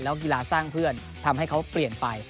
กีฬาสร้างเพื่อนทำให้เขาเปลี่ยนไป